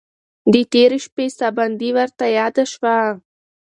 د تېرې شپې ساه بندي ورته یاده شوه.